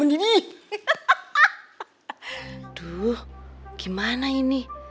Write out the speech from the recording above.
aduh gimana ini